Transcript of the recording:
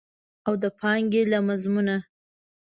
او د پانګې له مضمونه.